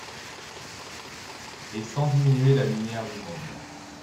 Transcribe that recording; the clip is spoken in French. Et sans diminuer la lumière du monde